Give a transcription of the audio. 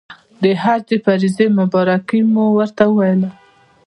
د حج د فرضې مبارکي مو ورته وویله.